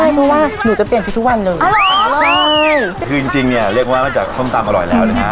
เพราะว่าหนูจะเปลี่ยนชุดทุ่วันเลยค่ะอร่อยคือจริงเนี้ยเรียกว่ามาจากช่วงตำอร่อยแล้วนะฮะ